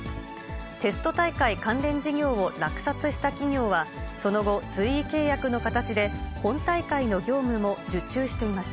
テスト大会関連事業を落札した企業はその後、随意契約の形で、本大会の業務も受注していました。